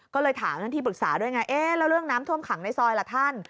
ก็เลยถามท่านที่ปรึกษาด้วยไงเอ๊ะแล้วเรื่องน้ำท่วมขังในซอยล่ะท่าน